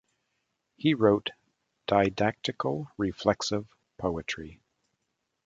He wrote didactical-reflexive poetry.